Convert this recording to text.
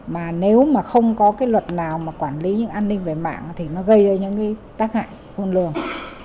mà nếu mà không có cái luật nào mà quản lý những an ninh về mạng thì nó gây ra những cái tác hại khôn lường